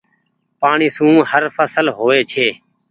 پآڻيٚ سون هر ڦسل هووي ڇي۔